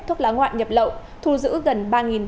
thuốc lá ngoạn nhập lậu thu giữ gần